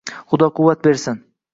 Xudo quvvat bersin.